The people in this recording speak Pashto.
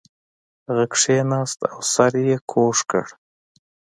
هغه کښیناست او سر یې کږ کړ